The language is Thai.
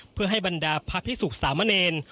เพื่อให้บรรดาพระพิสุขสามเณร